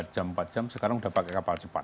empat jam empat jam sekarang sudah pakai kapal cepat